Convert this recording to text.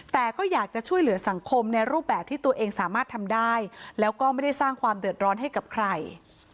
แต่ก็อยากจะช่วยเหลือสังคมในรูปแบบที่ตัวเองสามารถทำได้แล้วก็ไม่ได้สร้างความเดือดร้อนให้กับใคร